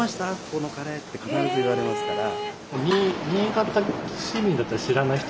ここのカレー」って必ず言われますから。